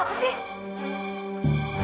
kamu apa sih